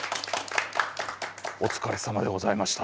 お疲れさまでございました。